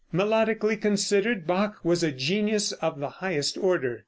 Melodically considered, Bach was a genius of the highest order.